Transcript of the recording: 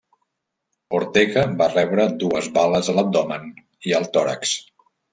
Ortega va rebre dues bales a l'abdomen i al tòrax.